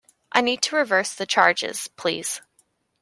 I need to reverse the charges, please